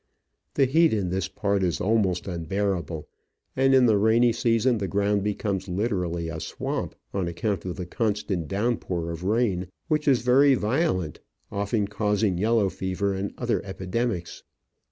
The heat in this part is almost unbearable, and in the rainy season the ground becomes literally a swamp, on account of the constant downpour of rain, which is very violent, often causing yellow fever and other epidemics.